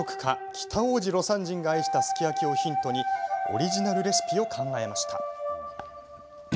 北大路魯山人が愛したすき焼きをヒントにオリジナルレシピを考えました。